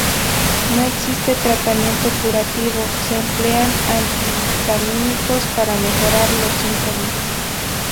No existe tratamiento curativo, se emplean antihistamínicos para mejorar los síntomas.